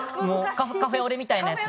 カフェオレみたいなやつ。